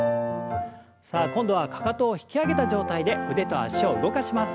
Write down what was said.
さあ今度はかかとを引き上げた状態で腕と脚を動かします。